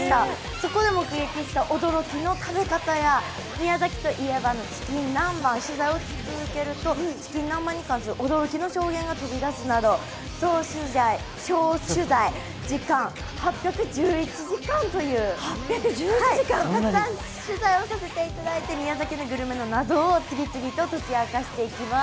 そこで目撃した驚きの食べ方や宮崎と言えばのチキン南蛮、取材を続けるとチキン南蛮に関する驚きの証言が飛び出すなど、総取材時間８１１時間という、たくさん取材をさせていただいて宮崎のグルメの謎を次々と解き明かしていきます。